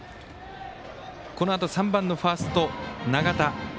このあと３番のファースト、永田。